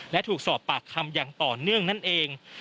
และถูกสอบปากคำอย่างต่อเนื่องนั่นเอง